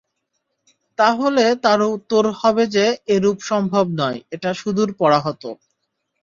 তা হলে তার উত্তর হবে যে, এরূপ সম্ভব নয়, এটা সুদূর পরাহত।